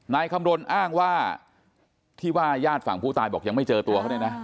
นายคำรณอ้างว่าที่ว่าญาติฝั่งผู้ตายบอกยังไม่เจอตัวเขาเนี่ยนะ